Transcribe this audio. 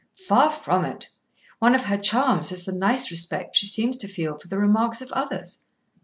"Far from it. One of her charms is the nice respect she seems to feel for the remarks of others."